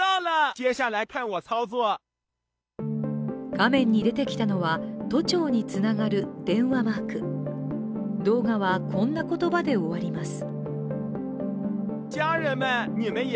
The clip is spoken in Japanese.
画面に出てきたのは都庁につながる電話マーク動画はこんな言葉で終わります。